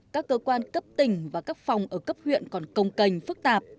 các cơ quan cấp tỉnh và các phòng ở cấp huyện còn công cành phức tạp